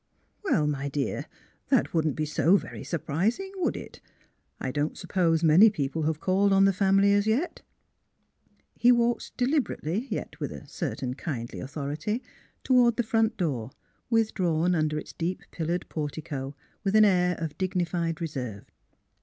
'* Well, my dear, that wouldn't be so very sur prising, would it? I don't suppose many people have called on the family as yet." THE CLOSED DOOR 51 He walked deliberately, yet with a certain kindly authority, toward the front door, with drawn under its deep pillared portico with an air of dignified reserve.